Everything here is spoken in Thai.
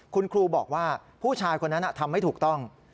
คุณครูบอกว่าผู้ชายคนนั้นทำไม่ถูกต้อง